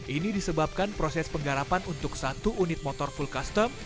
ini disebabkan proses penggarapan untuk satu unit motor full custom